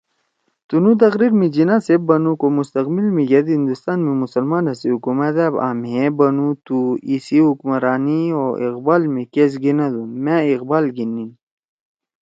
تنُو تقریر می جناح صیب بَنُو ”کو مستقبل می یَد ہندوستان می مسلمانا سی حکومت أپ آں مھیئے بنُو تُو ایِسی حکمرانی او اقبال می کیس گھیِنَدُو، مأ اقبال گھیِن نیِن“